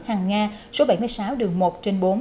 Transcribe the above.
hàng nga số bảy mươi sáu đường một trên bốn